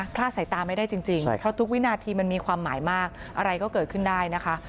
ลาดสายตาไม่ได้จริงเพราะทุกวินาทีมันมีความหมายมากอะไรก็เกิดขึ้นได้นะคะ